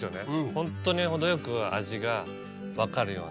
本当に程よく味が分かるような。